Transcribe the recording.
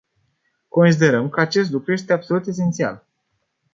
Considerăm că acest lucru este absolut esențial.